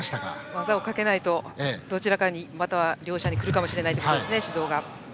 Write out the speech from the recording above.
技をかけないとどちらかに、または両者に来るかもしれないということです指導が。